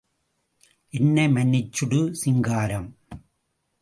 என்னை மன்னிச்சிடு சிங்காரம்!